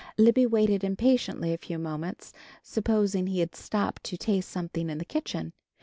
Libby waited impatiently a few moments, supposing he had stopped to taste something in the kitchen.